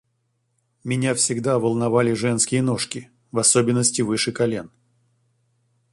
Меня всегда волновали женские ножки, в особенности выше колен.